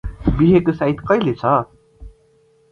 बिहेको साइत कैले छ?